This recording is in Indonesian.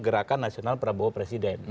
gerakan nasional prabowo presiden